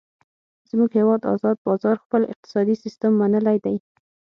زمونږ هیواد ازاد بازار خپل اقتصادي سیستم منلی دی.